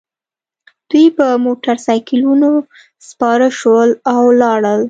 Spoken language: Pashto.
دوی په موټرسایکلونو سپاره شول او لاړل